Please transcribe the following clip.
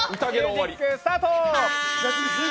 ミュージック、スタート！